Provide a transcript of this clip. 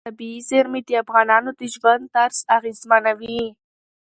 طبیعي زیرمې د افغانانو د ژوند طرز اغېزمنوي.